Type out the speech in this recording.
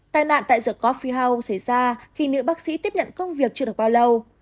tài nạn tại the coffee house xảy ra khi nữ bác sĩ tiếp nhận công việc chưa được bao lâu